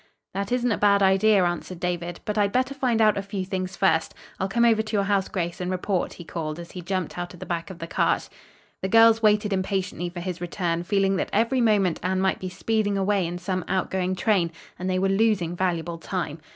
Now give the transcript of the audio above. "That isn't a bad idea," answered David. "But I'd better find out a few things first. I'll come over to your house, Grace, and report," he called as he jumped out of the back of the cart. The girls waited impatiently for his return, feeling that every moment Anne might be speeding away in some outgoing train, and they were losing valuable time.